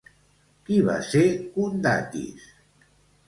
Qui va ser Condatis?